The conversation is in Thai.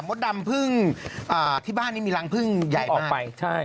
มดดำเพิ่งที่บ้านนี้มีรังพึ่งใหญ่ออกไป